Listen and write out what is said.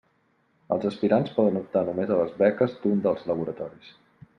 Els aspirants poden optar només a les beques d'un dels laboratoris.